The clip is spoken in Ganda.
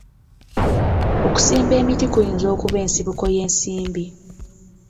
Okusimba emiti kuyinza okuba ensibuko y'ensimbi.